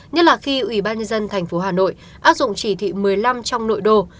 nhất là khi ủy ban nhân dân thành phố hà nội áp dụng chỉ thị một mươi năm trong nội đô